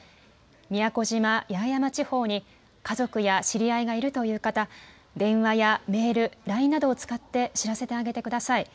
宮古島・八重山地方に家族や知り合いがいるという方、電話やメール、ＬＩＮＥなどを使って知らせてあげてください。